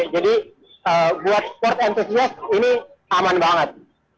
jadi buat sport entusiast ini aman banget